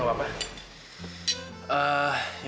bardo nani datang kerasnya